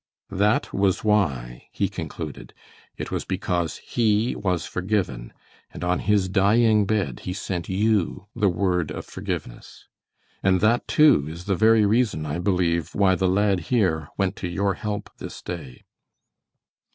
"That was why," he concluded. "It was because he was forgiven, and on his dying bed he sent you the word of forgiveness. And that, too, is the very reason, I believe, why the lad here went to your help this day."